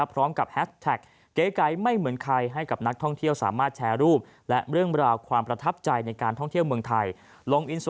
พร้อมกับแฮสแท็กเก๋ไม่เหมือนใครให้กับนักท่องเที่ยวสามารถแชร์รูปและเรื่องราวความประทับใจในการท่องเที่ยวเมืองไทย